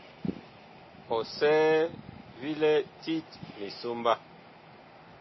Ɔsɛɛ vi lɛ tit misomba.